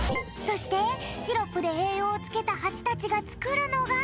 そしてシロップでえいようをつけたハチたちがつくるのが。